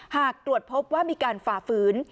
หากตรวจพบว่ามีการฝ่าฝืน